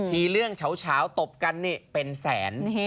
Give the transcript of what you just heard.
เรื่องเฉาตบกันนี่เป็นแสน